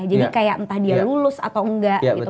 jadi kayak entah dia lulus atau enggak gitu